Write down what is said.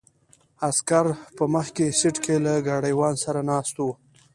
عسکر په مخکې سیټ کې له ګاډیوان سره ناست وو.